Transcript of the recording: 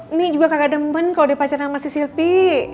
ini juga kagak demen kalau dia pacaran sama si silpi